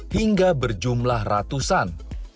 hingga berjumlah ratusan